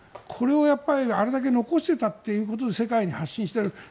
これをあれだけ残していたということで世界に発信している。